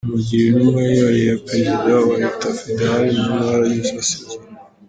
Namugira intumwa yihariye ya Perezida wa Etat federale mu ntara y’Iburasirazuba